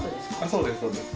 そうですそうです。